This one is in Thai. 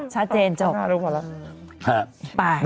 ชัดเจนจบ